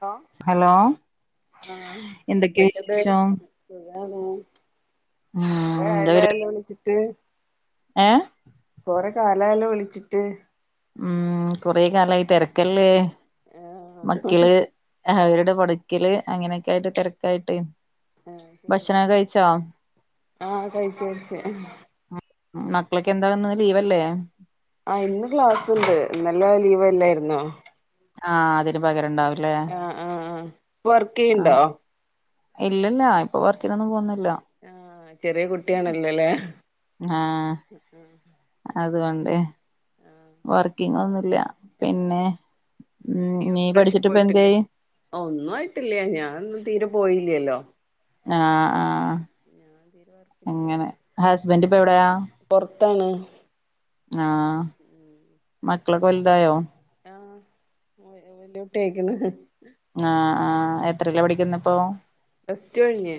Hello hello ആഹ് എന്തൊക്കെയാ എന്തൊക്കെന്ത വിശേഷം സുഖാണ് കൊറേ ഉം ആയല്ലോ വിളിച്ചിട്ട് ഏഹ് കൊറെ കാലായല്ലോ വിളിച്ചിട്ട് ഉം കൊറെ കാലമായി തിരക്കല്ലെ ആഹ് മക്കിള് അവരുടെ പടിക്കല് അങ്ങനെയൊക്കെ ആയിട്ട് തിരക്കായിട്ട് [unintelligible] ആഹ് കഴിച്ചു കഴിച്ചു മക്കളൊക്കെ എന്താക ലീവല്ലേ ആഹ് ഇന്ന് ക്ലാസുണ്ട് ഇന്നല്ല ലീവലായിരുന്നോ ആഹ് അതിന് പകരണ്ടാവൂലേ ആഹ് ആഹ് ആഹ് വർക്ക് ചെയ്യണ്ടോ ഇല്ലല്ല ഇപ്പൊ വർക്കിനൊന്നും പോന്നില്ല ആഹ് ചെറിയ കുട്ടിയാണല്ലല്ലേ അതുകൊണ്ടേ ആഹ് വർക്കിങ്ങൊന്നുല്ല ഏഹ് പിന്നെ ഉം നീ ഇപ്രാവശ്യം പോയിട്ടില്ലേ പഠിച്ചിട്ടിപ്പെന്തായി ഒന്നും ആയിട്ടില്ലേ ഞാനൊന്നും തീരെ പോയില്ലല്ലോ ആഹ് ആഹ് ഞാൻ തീരെ വർക്കിന് പോയി അങ്ങനെ ഹസ്ബൻഡ് ഇപ്പൊ എവിടെയാ പൊറത്താണ് ആഹ് ഉം മക്കളൊക്കെ വലുതായോ ആഹ് വലിയ ഓട്ട ആയിക്കണ് ആഹ് ആഹ് എത്രലാ പഠിക്കുന്ന ഇപ്പോ പ്ല്സ് ടു കഴിഞ്ഞ്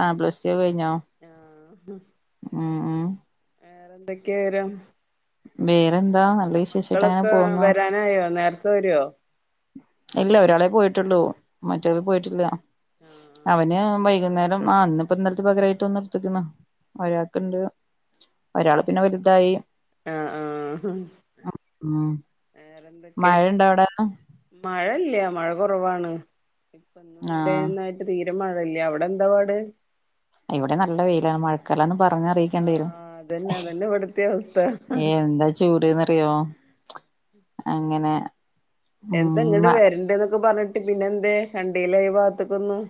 ആഹ് പ്ലസ് ടു ഒക്കെ കഴിഞ്ഞോ ആഹ് ഉം ഉം വേറെ എന്തൊക്കെയാ വരും വേറെന്താ നല്ല വിശേഷായിട്ട് അങ്ങനെ മക്കളൊക്കെ പോന്നു വരാനായോ നേരത്തെ വരുവോ ഇല്ല ഒരാളെ പോയിട്ടുള്ളൂ മറ്റവൾ പോയിട്ടില്ല അവന് വൈകുന്നേരം ആന്ന് ഇപ്പ ഇന്നലത്തെ പകരായിട്ട് ഒന്നർത്തിക്കുന്നു ഒരാൾക്കുണ്ട് ഒരാള പിന്നെ വലുതായി ആഹ് ആഹ് ഉം വേറെന്തൊക്കെ മഴയുണ്ടോ അവിടെ മഴല്ല മഴ കുറവാണ് ആഹ് [unintelligible] തീരുമഴല്ല അവിടെ എന്താ പാട് ഇവിടെ നല്ല വെയിലാണ് മഴ ക്കാലാന്ന് പറഞ്ഞ് അറിയിക്കേണ്ടി വരും ആഹ് അതന്നെ അതന്നെ ഇവിടുത്തെ അവസ്ഥ ഏഹ് എന്താ ചൂട്ന്നറിയോ അങ്ങനെ എന്താ ഉം ഇങ്ങോട്ട് വരണ്ട് എന്നൊക്കെ പറഞ്ഞിട്ട് പിന്നെ എന്തേ കണ്ടീലായി ഭാഗത്തെക്കൊന്നും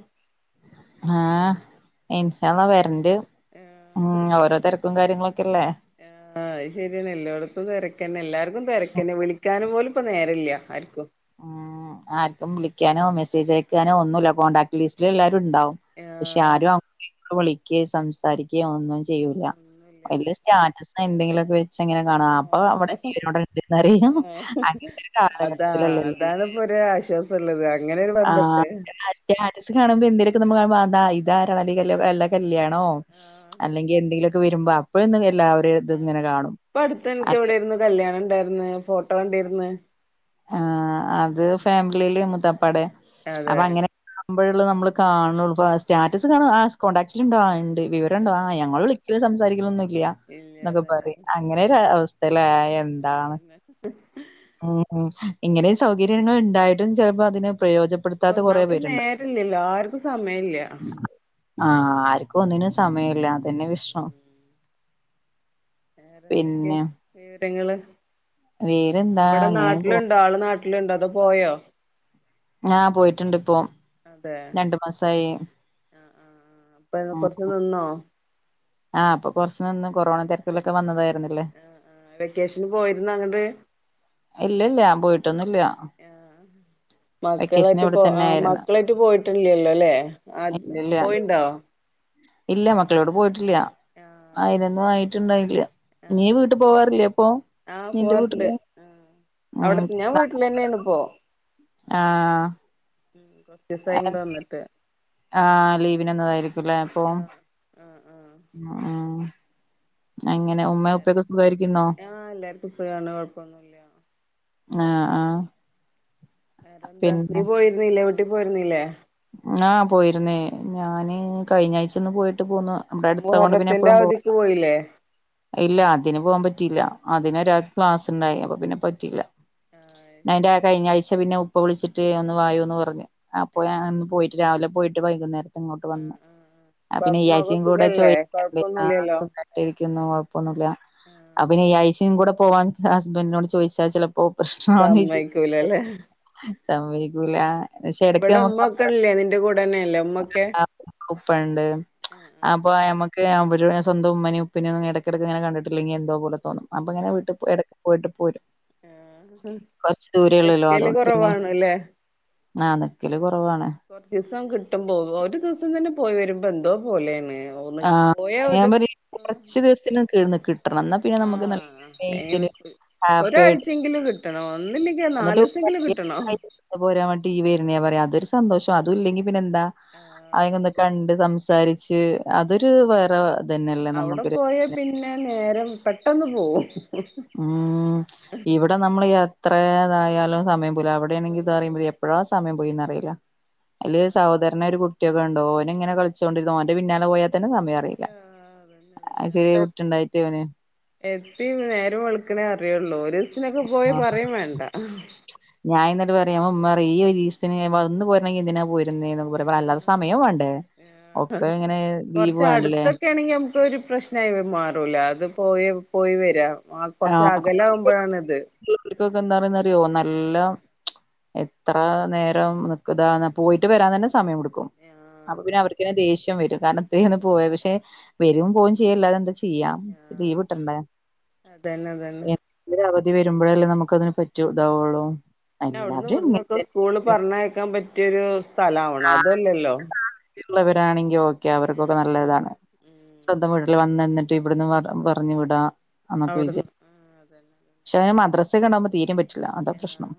ആഹ് ഇൻഷള്ളാ വരണ്ട് ഉം ആഹ് ഓരോ തിരക്കും കാര്യങ്ങളൊക്കെല്ലേ ആഹ് [inaudible] അത് ശരിയാണ് എല്ലായിടത്തും തിരക്കന്നെ എല്ലാർക്കും തിരക്കന്നെ വിളിക്കാനും പോലും ഇപ്പ നേരല്ല ആർക്കും ഉം ആർക്കും വിളിക്കാനോ മെസ്സേജ് അയക്കാനോ ഒന്നുല്ല കോണ്ടാക്ട് ലീസ്റ്റ് എല്ലാരും ഉണ്ടാവും പക്ഷെ ആഹ് ആരും [unintelligible] വിളിക്ക സംസാരിക്ക ഒന്നും ചെയ്യൂല്ല ഒന്നുല്ലാതെ വല്ല സ്റ്റാറ്റസോ എന്തെങ്കിലുമൊക്കെ എങ്ങനെ കാണ അപ്പൊ അവിടെ ആഹ് ജീവനോടെ ഇണ്ടന്നറിയ അങ്ങനത്തെ കാലഘട്ടം ആഹ് അതാണ് ഇപ്പോ ഒരു ആശ്വാസള്ളത് അങ്ങനൊ ഒരു ആഹ് ബന്ധട്ടെ സ്റ്റാറ്റസ് കാണുമ്പോ എന്തേലൊക്കെ നമ്മ ആഹ് [unintelligible] [unintelligible] കല്യാണോ ആഹ് അല്ലെങ്കിൽ എന്തെങ്കിലൊക്കെ വരുമ്പോ അപ്പോഴൊന്നും [unintelligible] ഇത് ആഹ് ഇങ്ങനെ കാണും ഇപ്പൊ അടുത്ത് അ എനിക്ക് എവിടെയിരുന്നു കല്യാണം ഇണ്ടായിരിന്ന് ഫോട്ടോ കണ്ടിരിന്ന് ആ അത് ഫാമിലിയില് മുത്തപ്പാടെ അതെ അപ്പൊ അങ്ങനെ, നമ്പഴുള്ള നമ്മള് കാണു ആഹ് സ്റ്റാറ്റസ് കാണ അ കോൺടാക്റ്റ ഉണ്ട് വിവരംണ്ടോ ആ ഞങ്ങൾ ആഹ് വിളിക്കലും സംസാരിക്ക ലെന്നുംല്ല ഇല്ല എന്നൊക്കെ അതന്നെ പറിം അങ്ങനെ ഒരു അവസ്ഥയില എന്താണ് എ ഉ ഹ് ഇങ്ങനെ സൗകര്യങ്ങൾ ഉണ്ടായിട്ടും ചിലപ്പോ അതിന് പ്രയോജപ്പെട ഒന്നാമത് നേരല്ലല്ലോ ആർക്കും സമയം ഇല്ല ആഹ ആർക്കും ഒന്നിനും സമയമല്ല അതന്നെ വിഷ്രം വേറെന്തൊക്കെയ വിവരങ്ങള് വേറെന്താ ഇവിടെ അങ്ങനെ പോ നാട്ടിലുണ്ട ആള് നാട്ട വീട്ടിലുണ്ടോ അതോ പോയോ? ആ പോയിട്ടുണ്ട് ഇപ്പോ അതെ രണ്ട് മാസായി ആ ആ അപ്പൊ ആ [unintelligible] ആഹ് അപ്പം കെറച്ച്നിന്നും കൊറോണ തെരക്കിലൊക്കെ വന്നതായിരുന്നല്ലേ ആ ആ വെക്കേഷന് പോയിരുന്നു അങ്ങ്ട് ഇല്ല ഇല്ല ഞാൻ പോയിട്ടൊന്നുല്ല ആ വെക്കേഷൻ മക്കളായിട്ട് ഇവിടെ പോ ആ തന്നെ ആയിരുന്നു മക്കളായിട്ട് പോയിട്ടില്ലല്ലോ അല്ലേ ആ ഇല്ലല്ല പോയിണ്ടോ? ഇല്ല മക്കളോട് പോയിട്ടില്ല ആ അതിനൊന്നും ആയിട്ടുണ്ടായില്ല. ആ നീ വീട്ടു പോവാറില്ലപ്പൊ? ആ പോവറ്ണ്ട് ഉം അവിടത്തെ ഞാൻ വീട്ടിൽ തന്നെയാണ് പോ ആഹ് ഉ കൊറച്ചീസായി ഇങ്ങട്ട് വന്ന്ട്ട് ആ ലീവിനന്നതായിരിക്കുംല്ലേ അപ്പൊ ആ ഉം ആ ആ ആ എങ്ങനെ ഉമ്മ വേറെ ഉപ്പയൊക്കെ സുഖായിരിക്കുന്നോ? ആ എല്ലാർക്കും സുഖാണ് കൊഴപ്പൊന്നുല്ല ആഹ് ആഹ് വേറെന്താ നീ പിന്നെ പോയിരുന്നില്ലേ വീട്ടി പോയിരുന്നില്ലേ? ആ് പോയിരുന്നേ ആ ഞാന് കഴിഞ്ഞ ആഴ്ചന്ന് പോയിട്ട് പോന്ന ഇവടെ അടുത്താവ കൊണ്ട് പിന്നെ മുഹറത്തിന്റെ എപ്പഴും അവധിക്ക് പോവലോ പോയില്ലേ ഇല്ല അതിന് പോകാൻ പറ്റിയില്ല ആഹ് അതിനൊരാ ക്ലാസ്ണ്ടായി അപ്പൊ പിന്നെ പറ്റില്ല. ആഹ് ഞ അയിന്റെ ശരി കഴിഞ്ഞ ആഴ്ച പിന്നെ ഉപ്പ വിളിച്ചിട്ട് ഒന്ന് വായോന്ന് പറഞ് അപ്പോ ഞാ ആഹ് അന്ന് പോയിട്ട് രാവിലെ പോയിട്ട് വൈകുന്നേരം ഇങ്ങോട്ട് വന്ന് ആഹ് ആഹ് പിന്നെ ഉപ്പാക്കും ഈ ഉമ്മാക്കും ആയിച്ചിം കൂടെ സുഖല്ലേ ചോദിക്കണ്ടെ കൊഴപ്പൊന്നുല്ലല്ലോ [unintelligible] ുന്നു ആഹ് കുഴപ്പൊന്നുല്ല അപ്പ ആഹ് ഈ ആയിച്ചിം കൂടെ പോവാൻ ഹസ്ബൻഡിനോട് ചോദിച്ചാൽ ചില ഇപ്പൊ പ്രശ്നന്ന സമ്മയ്ക്കൂലല്ലേ സംഭവിക്കൂല പക്ഷെ എടക്ക് ഇവിടെ നമ്മുക്ക് [unintelligible] ഇല്ലേ നിന്റെ കൂടെ തന്നെയല്ലോ ഉപ്പണ്ട് ആഹ് അപ്പൊ ആഹ് ഞമക്ക് അവര് സ്വന്ത ഉമ്മ നിം ഉപ്പനിം ന്നും ഇടക്കിടക്ക ഇങ്ങനെ കണ്ടിട്ടില്ലെങ്കിൽ എന്തോ പോലെ തോന്നും അപ്പൊ ഇങ്ങനെ വീട്ടിൽ പോയിഎടക്ക് പോയിട്ട് പോരും. ആഹ കൊറച്ച് ദൂര ഉള്ളല്ലോ അതുകൊണ്ട് പിന്നെ ആ നിക്കൽ കുറവാണ്. കുറച്ച് ദിവസം കിട്ടുമ്പോ ഒരു ദിവസം തന്നെ പോയി വരുമ്പോ എന്തോ പോലെയാണ് ഒന്ന് ആഹ പോയാ അങ്ങനെ ഒരു വുമ്പര് കുറച്ചു ദിവസത്തിന കേന്ന് കിട്ടണം എന്നാ പിന്നെ നമുക്ക് നല്ല ആഹ് മെയിന്റയിൻ ഹാപ്പി ആയിട്ട് ഒരാഴ്ചെങ്കിലും കിട്ടണോ ഒന്നില്ലെങ്കോ നാല് എന്നിട്ട് ദിവസെങ്കിലും കിട്ടണം [unintelligible] വരുന്ന പറയാ അതൊരു സന്തോഷം അതുംല്ലെങ്കിൽ പിന്നെന്താ ആഹ് അതന്നെ അയിനെ അതന്നെ കണ്ട് സ സംസാരിച്ച് അതൊരു വേറെ ഇതന്നെയല്ലേ അവിടെ നമുക്കൊരു പോയ പിന്നെ നേരം പെട്ടെന്ന് പോവും. ഉം ഇവിടെ നമ്മൾ എത്ര ഏതായാലും സമയം പോവൂല അവിടെയാണെങ്കിൽ ഇത് പറയുമ്പോ എപ്പോഴ സമയം പോയിന്നറിയില്ല അല്ല്യ സഹോദര ഓന് ഒരു കുട്ടിയൊക്ക ഉണ്ടോ ഓന് ഇങ്ങെ കളിച്ചുകൊണ്ടിരുന്നാ ഓന്റെ പിന്നാലെ പോയാൽ തന്നെ സമയ യില്ല അതന്നെ അതന്നെ ചെറിയ അവിടെ കുട്ടുണ്ടായിട്ട് അവന് എത്തി നേരം വളിക്കണേ അറിയുള്ളൂ ഒരു ദിവസനൊക്കെ പോയി ആ പറയും വേണ്ട ഞാൻ എന്നട്ട പറയാേ പറ ഈസ ഒന്ന് പോയിരണ്ടെി എന്തിനാ പോയി പറ പറ അല്ലാത്ത സമയവും വേണ്ടേ ഒക്കെ ഇങ്ങനെ ദീപ് വേണല്ലേ ആണെിൽ നാമൊരു പ്രശ്ം മാറൂല അത് പോയി പോയി വരാ ആ കൊറച്ച അകലകുമ്പോഴാണ ഇത് വീട്ടക്കൊക്കെ എന്താ പറുന്നറിയോ നല്ല എത്ര നേരം നക്ക്താ പോയിട്ട് വരാൻ തന്നെ സമയം കൊടുക്കും അപ്പൊ പിന്നെ അതന്നെ അവർക്ക് ഒക്കെ ദേഷ്യം വരും കാരണം ഇത്രയും ഒന്ന് പോ പക്ഷെ വരും പോവും ചെയ്യല്ല അതെന്താ ചെയ്യാം ലീവ് ഇട്ടന്ന അത തന്നെ അതന്നെ എ അവധി വരുമ്പോഴല്ലേ നമുക്ക് അതിന് പറ്റ ഇതാവുള്ളൂ പിന്നെ അവിടുന്ന് എല്ലാവരും ഇവിടന്നൊക്കെ ഇങ്ങന സ്കൂള് പറഞ്ഞ കേക്കാൻ പറ്റിയൊരു സ്ഥലം ആണ അതല്ലല്ലോ ള്ളവരാണെങ്കിൽ ഓക്കെ അവർക്കൊക്കെ നല്ലതാണ് ഉം സ്വന്തം വീട്ടിൽ വന്ന നിന്നിട്ട് ഇവിടുന്ന് പറു വിടാ നമ്മുക്ക് അവിടുന്ന് വിജയം ആ അതന്നെ അതന്നെ പക്ഷ അവനന് മദ്രാസൽ കണ്ടാവക്പോ തീര പറ്റില്ല അന്ത പ്രശനം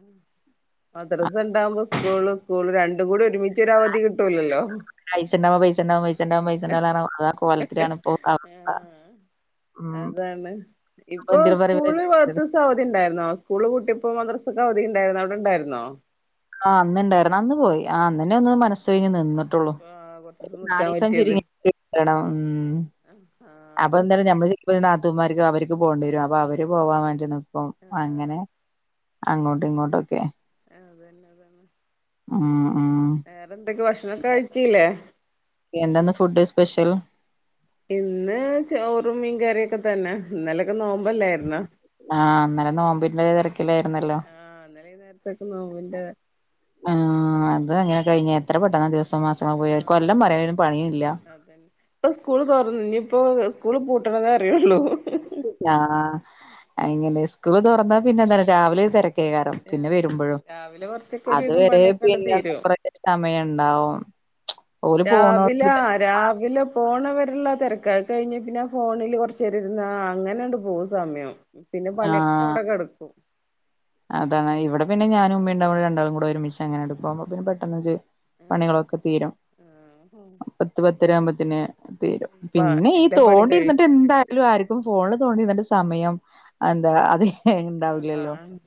മദ്രസം ഉണ്ടാവകുമ്പോ സ്കൂള് സ്കൂള് രണ്ടും കൂടി ഒരുമിച്ച് ഒര അവധി കിട്ടൂലല്ലോ പൈസ നവ പൈസനവൈ [unintelligible] പച്ചെറ പൈസെറ അതാ കോലത്തിലാണ് ഇപ്പോൊ അവസ്ഥ ഉ ആണ് ഇപ്പൊ സ്കൂള മ സ അവധി ഉണ്ടായിന്നോ സ്കൂള് കൂട്ടിപ്പോ മദ്രസ സ അവധി ഉണ്ടായിരുന്നു അവിടെണ്ടായിന്നോ ആന്നുണ്ടായിരുന്നു അന്ന് പോയി ആ അന്നെ ഒന്ന് മനസ് കഴിഞ്ഞ് നിന്നട്ട് ആ കൊറച്ച് ദിവസം നിക്കാൻ നാലസം പറ്റിയതിൽ ചുരുങ്ങിണം ഉ ആ അപ്പൊ അത് എന്ത നഞമ്മള് ഇ നാത്തൂമാർക്ക് അവർക്ക് പോകേണ്ടി വരും അപ്പൊ അവര് പോവാൻ വേണ്ടി നക്കും ആ അങ്ങനെ അങ്ങോട്ടിങ്ങോട്ടൊക്കെ അതന്നെ അതന്നെ ഉം ഉം വേറെ എന്തൊക്കെയ ഭക്ഷണോക്കെ കഴിച്ചില്ലേ എന്താ ഇന്ന് ഫുഡ് സ്പെഷ്യൽ ഇന്ന് ചോറും മീൻ കറിയൊക്കെ തന്നെ ഇന്നലൊക്കെ നോമ്പല്ലായിരുന്നോ ആഹ് ഇന്നലെ നോമ്പിന്റെ തിരക്കിലായിരുന്നല്ലോ ആ ഇന്നലെ ഈ നേരത്തൊക്കെ നോമ്പിന്റെ അ അത് അങ്ങനെ കഴിഞ്ഞ് എത്ര പെട്ടെന്ന ദിവസോം മാസങ്ങളും പോയി കൊല്ലം പറയാ ഒരു പണിയും ഇല്ല [inaudible] ഇപ്പ സ്കൂള് തുറന്നു ഇനിയിപ്പോ സ്കൂള് പൂട്ടണതേ അറിയുള്ളൂ അഹ് അങ്ങനെ സ്കൂള് തുറന്ന പിന്നെ അതാണ്‌ രാവിലെ തിര കയറും പിന്നെ ആഹ് വരുമ്പോഴും രാവിലെ കൊറച്ചൊക്കെ അത് ഒരുവിധം വരെ പണിയൊക്കെണ്ട് പിന്നെ തീരും മൂപ്പരെ സമയം ഉണ്ടാവും ഓല് രാവിലെ പോണോടത്ത് രാവിലെ പോണ വരെയുള്ള തിരക്ക അത് കഴിഞ്ഞ പിന്നെ ഞാൻ ഫോണിൽ കുറച്ച് നേരം ഇരുന്ന് അങ്ങനങ്ങട് പോകും സമയം പിന്നെ പണിയോക്കെ ആഹ് അവിടെ കിടക്കും അതാണ് ഇവിടെ പിന്നെ ഞാനും ഉമ്മേം ഉണ്ടാവുമ്പോ രണ്ടാളും കൂടെ ഒരുമിച്ച് അങ്ങനെ അങ്ങട് പോവുമ്പോ പിന്നെ പെട്ടന്ന് പണികളൊക്കെ തീരും പത്ത് പത്തര ആവുമ്പോത്തിന് തീരും ആ പിന്നെ ഈ എല്ലാ പണി കഴിയും തോണ്ടിരുന്നിട്ട് എന്താ ലെല്ലും ആർക്കും ഫോണിൽ തോണ്ടി നിന്നിട്ട് സമയം എന്താ അത് ഉണ്ടാവില്ലല്ലോ ആഹ്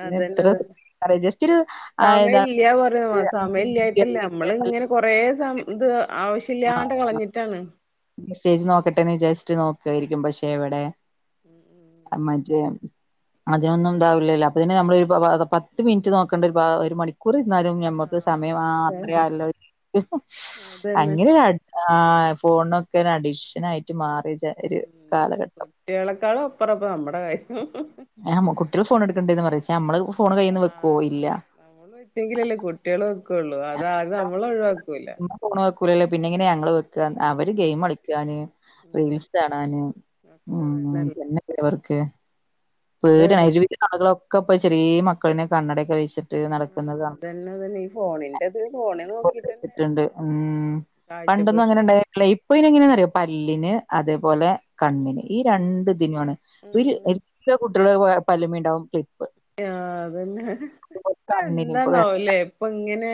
പിന്നെ അതന്നെ എത്ര തന്നെ അറിയാം ജസ്റ്റ് ഒരു ആഹ് എന്താ സമയം ഇല്ല പറയ സമയം ഇല്ലായിട്ടില്ല നമ്മൾ ഇങ്ങനെ കൊറേസം ഇത് ആവശ്യല്ലാണ്ട് കളഞ്ഞിട്ടാണ് മെസ്സേജ് നോക്കട്ടെ വിചാരിച്ചിട്ട് നോക്കുവായിരിക്കും പക്ഷെ എവിടെ [inaudible] [unintelligible] അതിനൊന്നും ഉണ്ടാവില്ലല്ലോ അപ്പൊത്തന്നി നമ്മളൊരു പത്ത് മിനിറ്റ് നോക്കേണ്ട ഒരു ഒരു മണിക്കൂർ ഇരുന്നാലും ഞമ്മ നമ്മക്ക് ആഹ് സമയം അതെ മാത്രേ അല്ല ഇനി അതന്നെ അങ്ങനെ ആഹ് ഫോണൊക്കെ ഒരു അഡിക്ഷനായിട്ട് മാറി ഉം കുട്ടികളെക്കാളും അപ്പുറ നമ്മുടെ കാര്യം ആഹ് കുട്ടികൾ ഫോൺ എടുക്കണ്ടേന്ന് പറേം എച്ചാ നമ്മള് ഫോൺ അതെ കയ്യീന്ന് വെക്കുവോ ആഹ് ഇല്ല നമ്മള് വെച്ചങ്കിലല്ലേ കുട്ടികൾ വെക്കുള്ളു അതാദ്യം നമ്മൾ ഒഴിവാക്കൂല്ല ഇമ്മള് ഫോൺ വെക്കൂലല്ലോ പിന്നെങ്ങനാ ഞങ്ങള് വെ ക്കുക അവര് ഉം ഗെയിം കളിക്കാന് ഉം റീൽസ് കാണാന് ഒക്കെ ഉം തന്നെല്ലേ പിന്നെ അവർക്ക് ഒരൊഴി പേടിയാണ് ജീവിക്കുന്ന ആളുകളൊക്കെ ഇപ്പൊ ചെറിയ മക്കളൊക്കെ കണ്ണടെയൊക്കെ വെച്ച് ആഹ് അതന്നെ അതന്നെ ഈ ഫോണിന്റെ ഇത് ഫോണീ നോക്കിട്ടന്നെ ണ്ട് ഉം കാഴ്ച പണ്ടൊന്നും പ്രശ്നം അങ്ങനെയുണ്ടാ യില്ല ഇപ്പൊ ഇനി എങ്ങനെയാന്നറിയോ പല്ലിന് അതേപോലെ കണ്ണിന് ഈ ഉം രണ്ട് ഇതിനുമാണ് ഒരു ഉം എല്ലാ കുട്ടികളെ പല്ലുമേ ഉണ്ടാവും ക്ലിപ്പ് ആഹ് അതന്നെ അത് കണ്ണിന് ഇപ്പൊ എന്താണവൂലേ ഇപ്പൊ ഇങ്ങനെ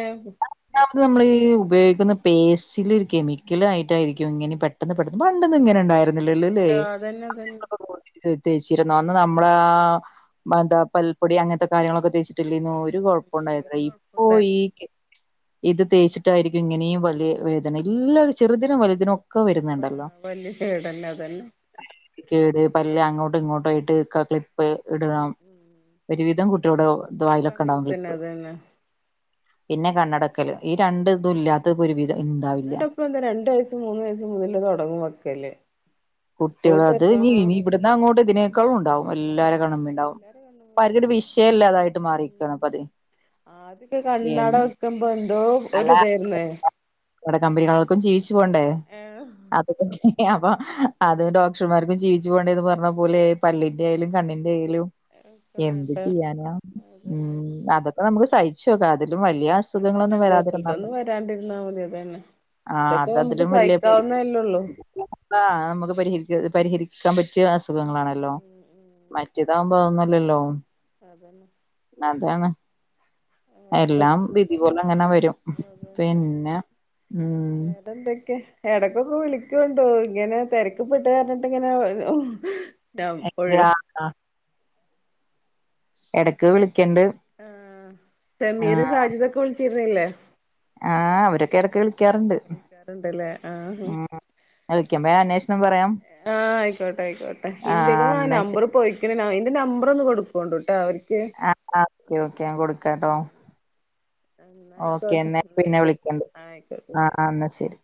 രണ്ടാമത് നമ്മൾ ഈ ഉപയോഗിക്കുന്ന പേസ്റ്റിലൊരു കെമിക്കലു ആയിട്ടായിരിക്കും ഇങ്ങനെ പെട്ടെന്ന് പെട്ട പണ്ടൊന്ന് ഇങ്ങനെ ഉണ്ടായിരു ല് ല് ലേ ഇല്ലല്ലോ അതന്നെ അതന്നെ [inaudible] ത് തേച്ചിരുന്നു അന്ന് നമ്മളാ മ ന്താ പൽപ്പൊടി അങ്ങൻത്ത കാര്യങ്ങളൊക്കെ തേച്ചി ദില്ലിനൊ ഒരു ഉം ഒരു കൊഴപ്പണ്ടായിരുന്നില്ല ഇപ്പൊ കൊഴപ്പുണ്ടായി ഈ ഇ ഇത് തേച്ച്‌ റ്റായിരിക്കും ഇങ്ങനേം വലിയ വേ തന്നെ ഉം എല്ലാ ചെറുദിനും വലുതിനു ഒക്കെ ആ വരുന്നുണ്ടല്ലോ വല്യ കേടന്നെ അതന്നെ കേട് പല്ല് അങ്ങോട്ടും ഇങ്ങോട്ടു ആയിട്ട് കാ ക്ലി പ്പ് ഉം ഇടണം ഉം ഒരുവിധം കുട്ടികളുടെ ദ ഒക്കെ വായിലൊക്കെ അങ്ങനെ ഇണ്ടാവും തന്നെ ക്ലിപ്പ് അതന്നെ പിന്നെ കണ്ണടക്കല് ഈ രണ്ട് ഇതും ഇല്ലാത്തത് ഒരുവിധം ഉണ്ടാവില്ല [unintelligible] രണ്ടു വയസ്സും മൂന്ന് വയസ് മുതല് തുടങ്ങും വക്കല് കുട്ടികളത് ഇനി ഇനി വ്‌ട്‌ന്നങ്ങോട്ട് തിനേക്കാളുണ്ടാവു എല്ലാരെ കണ്ണുമ്മെ ണ്ടാവു എല്ലാരും കണ്ണുമ്മ പല്ലൊരു തന്നെ വിഷയംമല്ലാതായിട്ട് ഉം മാറിയിക്കാണ് പതി ആദ്യൊക്കെ കണ്ണട വെക്കുമ്പോ എന്തോ ഒരു ഇതായിരുന്നേ കണ്ണട കമ്പനികൾക്കും ജീവച്ചു പോണ്ടേ ഏ അതാ ഇങ്ങനെ അപ്പൊ അത് ഡോക്ടർമാർക്കും ജീവിച്ചു പോകേണ്ടേന്ന് പറഞ്ഞ പോലെ പല്ലിന്റെ ആയാലും കണ്ണിന്റെ ആയാലും ഒക്കെ എന്ത് വേണ്ട ചെയ്യാനാ അതന്നെ ഉം അതന്നെ അതൊക്കെ നമുക്ക് സഹിച്ചു നോക്കാം അതിലും വലിയ അ സുഖങ്ങളൊന്നും വരാതിരുന്നാ അപ്പം ണ്ടിരുന്നാൽ മതി അതന്നെ ഇതൊക്കെ അത് നമുക്ക് സഹിക്കാവുന്നതല്ലേള്ളൂ ആഹ് നമുക്ക് പരിഹരിക്ക പരിഹരിക്കാൻ പറ്റിയ ഉം അസുഖങ്ങളാണല്ലോ ഉം ഉം മറ്റേതോ മാങ്ങല്ലല്ലോ അതന്നെ അതാണ് വേറെന്താ എല്ലാം വിധി പോലെ അങ്ങനെ വരും അതന്നെ പിന്നെ ഉം വേറെന്തൊക്കെ എടക്കൊക്കെ വിളിക്കുവോ എന്തോ ഇങ്ങനെ തിരക്കിപ്പെട്ട് പറഞ്ഞിട്ട് ഇങ്ങനെ ഒഴു [unintelligible] ഇടയ്ക്ക് വിളിക്കണ്ട് ആഹ് ആ സമീര് സാജിദൊക്കെ വിളിച്ചിരുന്നില്ലേ ആഹ് അവരൊക്കെ ഇടക്ക് വിളി ക്കാറുണ്ടല്ലേ ആഹ് വിളിക്കുമ്പോ അന്വേഷണം പറയാം ആഹ് ആയിക്കോട്ടെ ആയിക്കോട്ടെ ആ എന്റെയീന്ന് ആഹ് എന്നാ ശ നമ്പർ പോയി ഏന്റെ നമ്പറ് ഒന്ന് കൊടുക്കുകൊണ്ടൂട്ടോ അവർ ആഹ് ഓക്കെ ഓക്കെ ഞാൻ കൊടുക്കാട്ടോ ആഹ് എന്നാ ഓക്കെ ആയിക്കോട്ടെ എന്നാ പിന്നെ ശരി വിളിക്കാം ആയിക്കോട്ടെ ശരി ആഹ് ആഹ് എന്നാ ശെരി